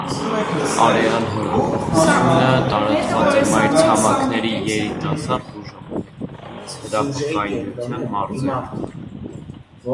Արեալ հրաբխայնությունը տարածված է մայր ցամաքների երիտասարդ ու ժամանակակից հրաբխականության մարզերում։